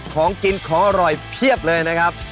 ของกินของอร่อยเพียบเลยนะครับ